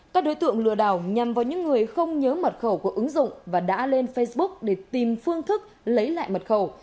các đối tượng lừa đảo nhằm vào những người không nhớ mật khẩu của ứng dụng và đã lên facebook để tìm phương thức lấy lại mật khẩu